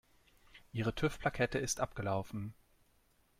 Ihre TÜV-Plakette ist abgelaufen.